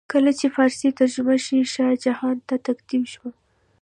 کله چې فارسي ترجمه یې شاه جهان ته تقدیم شوه.